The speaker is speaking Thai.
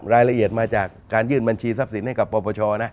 รายละเอียดมาจากการยื่นบัญชีทรัพย์สินให้กับปปชนะ